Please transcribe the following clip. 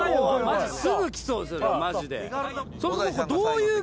すぐ来そうですねマジで。